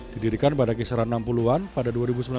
didirikan pada kisaran enam puluh an pada dua ribu sembilan belas